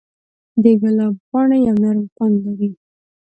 د ګلاب پاڼې یو نرم خوند لري.